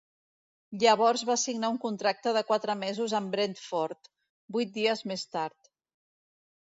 Llavors va signar un contracte de quatre mesos amb Brentford, vuit dies més tard.